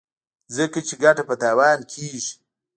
ځکه چې ګټه په تاوان کېږي.